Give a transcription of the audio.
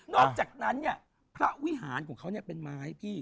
อกจากนั้นเนี่ยพระวิหารของเขาเป็นไม้พี่